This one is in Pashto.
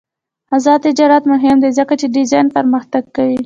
آزاد تجارت مهم دی ځکه چې ډیزاین پرمختګ کوي.